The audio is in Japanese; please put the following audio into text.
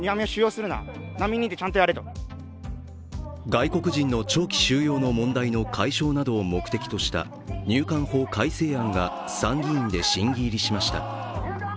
外国人の長期収容の問題の解消などを目的とした入管法改正案が参議院で審議入りしました。